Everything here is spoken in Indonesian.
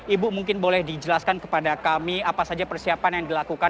ibu mungkin boleh dijelaskan kepada kami apa saja persiapan yang dilakukan